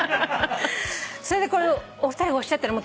それでこのお二人がおっしゃってる。